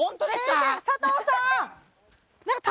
佐藤さん。